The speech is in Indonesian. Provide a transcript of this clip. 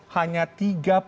hanya tiga perjalanan